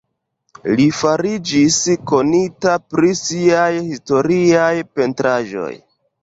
Li fariĝis konita pri siaj historiaj pentraĵoj.